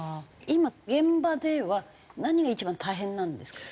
今現場では何が一番大変なんですか？